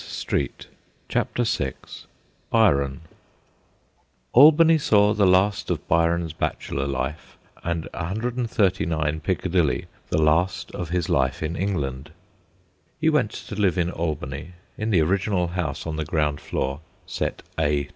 BYRON 91 CHAPTEE VI BYRON ALBANY saw the last of Byron's bachelor life, and 139 Piccadilly the last of his life in England. He went to live in Albany, in the original house on the ground floor, set A.